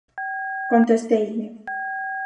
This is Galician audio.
Contesteille: